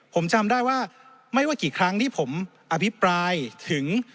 ผมจำได้ว่าไม่ว่ากี่ครั้งที่ผมอภิปรายถึง